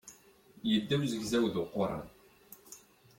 Yedda uzegzaw d uquran.